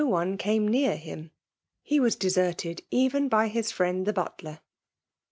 one came near him* He igm^^doaerted even by his friend the butler. .